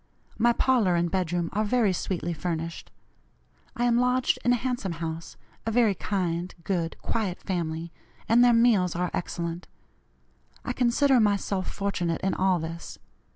My parlor and bedroom are very sweetly furnished. I am lodged in a handsome house, a very kind, good, quiet family, and their meals are excellent. I consider myself fortunate in all this.